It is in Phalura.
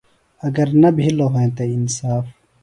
اگر نہ بِھلوۡ ہنتہ انصاف۔